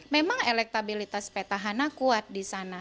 memang elektabilitas petahana kuat disana